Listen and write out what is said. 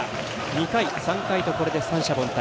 ２回、３回と、これで三者凡退。